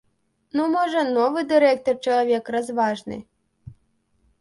Ну, можа, новы дырэктар чалавек разважны.